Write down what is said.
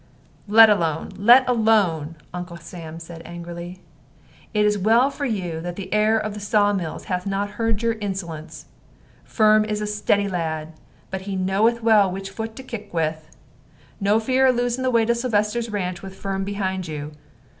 "Let alone, let alone," Uncle Sam said, angrily. "It is well for you that the 'heir of the saw mills' hath not heard your insolence. Firm is a steady lad; but he knoweth well which foot to kick with. No fear of losing the way to Sylvester's ranch with Firm behind you.